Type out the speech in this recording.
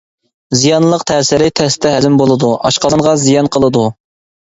زىيانلىق تەسىرى تەستە ھەزىم بولىدۇ، ئاشقازانغا زىيان قىلىدۇ.